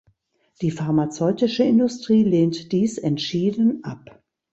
Die pharmazeutische Industrie lehnt dies entschieden ab.